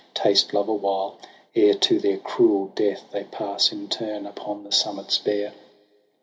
Taste love awhile, ere to their cruel death They pass in turn upon the summits bare.